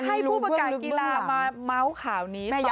ให้ผู้ประกายกีฬามาเมาส์ข่าวนี้ต่อจากเรา